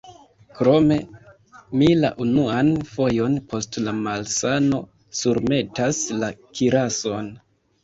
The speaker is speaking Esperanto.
Krome, mi la unuan fojon post la malsano surmetas la kirason.